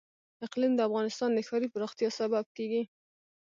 اقلیم د افغانستان د ښاري پراختیا سبب کېږي.